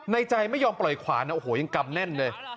ใจไม่ยอมปล่อยขวานนะโอ้โหยังกำแน่นเลย